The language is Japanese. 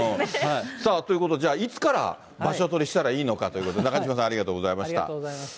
さあ、ということでいつから場所取りしたらいいのかということで、中島さん、ありがとうございましありがとうございます。